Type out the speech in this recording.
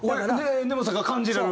根本さんが感じられる？